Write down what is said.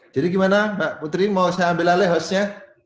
jadi gimana mbak putri mau saya ambil alih hostnya